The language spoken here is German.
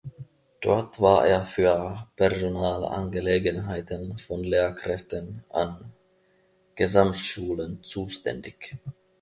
Dort war er für Personalangelegenheiten von Lehrkräften an Gesamtschulen zuständig.